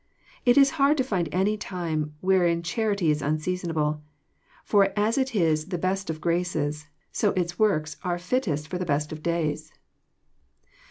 It is hard to find any time wherein charity is unseasonable ; for as it is the best of graces, so its worlis are fittest for the best of days."